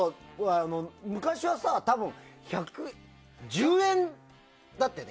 昔は多分、１０円だったよね